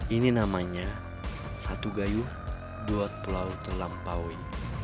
ini namanya satu gayu dua pulau terlampaui